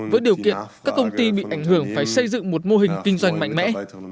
với điều kiện các công ty bị ảnh hưởng phải xây dựng một mô hình kinh doanh mạnh mẽ